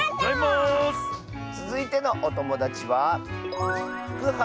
つづいてのおともだちは。